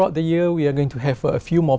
và bây giờ tôi đã được luyện tập bess với bạn